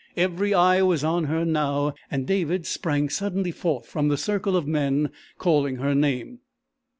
Every eye was on her now, and David sprang suddenly forth from the circle of men, calling her name.